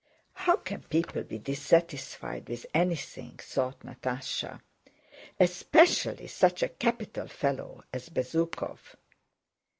"How can people be dissatisfied with anything?" thought Natásha. "Especially such a capital fellow as Bezúkhov!"